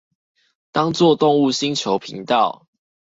當作動物星球頻道